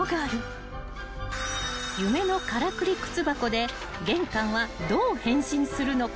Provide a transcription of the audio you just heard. ［夢のからくり靴箱で玄関はどう変身するのか］